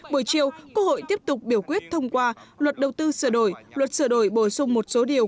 buổi chiều quốc hội tiếp tục biểu quyết thông qua luật đầu tư sửa đổi luật sửa đổi bổ sung một số điều